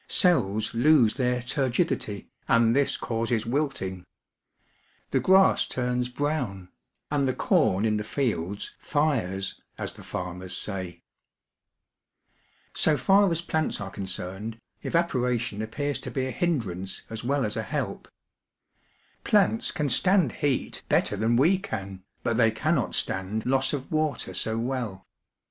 Cells lose their turgidity, and this causes wilting. (See page 75.) The grass turns PHYSICS AND CHEMISTRY AND LIFE 117 brown, and the corn in the fields " fires," as the farmers say. So far as plants are concerned, evaporation appears to be a hindrance as well as a help. Plants can stand heat better then we can, but they cannot stand loss of water so well.